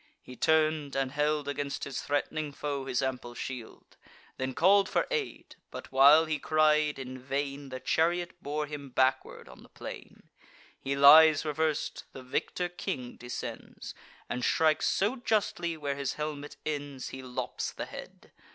He turn'd, and held Against his threat'ning foe his ample shield; Then call'd for aid: but, while he cried in vain, The chariot bore him backward on the plain. He lies revers'd; the victor king descends, And strikes so justly where his helmet ends, He lops the head.